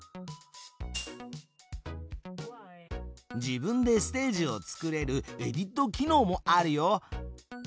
自分でステージを作れるエディット機能もあるよ。